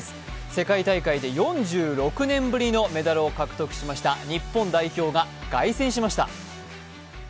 世界大会で４６年ぶりのメダルを獲得しました日本代表が凱旋しました。